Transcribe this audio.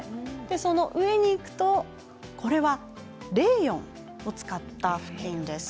その上にいくとこれはレーヨンを使ったふきんです。